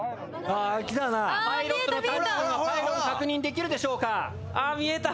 パイロン確認できるでしょうか。